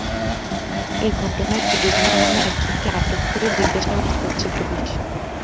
এ ঘটনায় ফিরোজ মিয়া নামে একজনকে আটক করে জিজ্ঞাসাবাদ করছে পুলিশ।